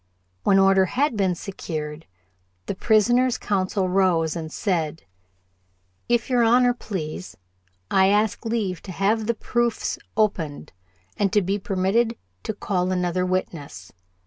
When order had been secured, the prisoner's counsel rose and said: "If your Honor please, I ask leave to have the proofs opened, and to be permitted to call another witness."